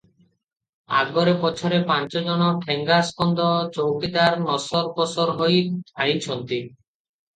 ଆଗରେ ପଛରେ ପାଞ୍ଚଜଣ ଠେଙ୍ଗାସ୍କନ୍ଧ ଚୌକିଦାର ନସର ପସର ହୋଇ ଧାଇଁଛନ୍ତି ।